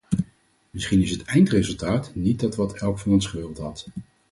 Misschien is het eindresultaat niet dat wat elk van ons gewild had.